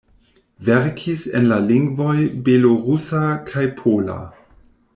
Verkis en la lingvoj belorusa kaj pola.